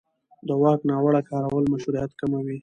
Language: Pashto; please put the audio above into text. د واک ناوړه کارول مشروعیت کموي